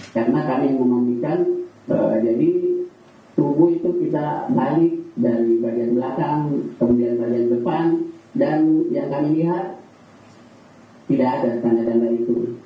karena kami memandikan jadi tubuh itu kita balik dari bagian belakang kemudian bagian depan dan yang kami lihat tidak ada tanda tanda itu